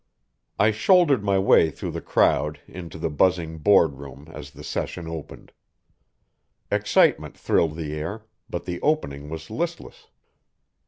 I shouldered my way through the crowd into the buzzing Board room as the session opened. Excitement thrilled the air, but the opening was listless.